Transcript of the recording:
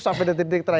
sampai datang di dpr